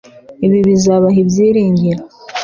ibi bizabaha ibyiringiro